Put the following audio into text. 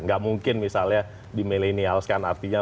nggak mungkin misalnya di millennials kan artinya